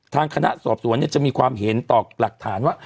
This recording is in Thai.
ทางคณะสอบสวนจะมีความเห็นต่อหลักฐานว่า